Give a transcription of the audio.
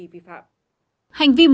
với sáu hành vi vi phạm